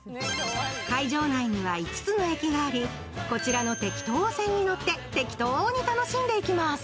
会場内には５つの駅がありこちらのてきと線に乗って、てきとに楽しんでいきます。